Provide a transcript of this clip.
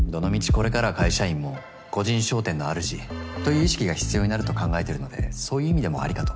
これからは会社員も個人商店のあるじという意識が必要になると考えてるのでそういう意味でもありかと。